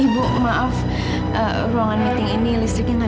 badanmu gak enak